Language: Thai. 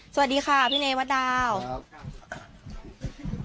สวัสดีค่ะพี่เนวัฒน์ดาวน์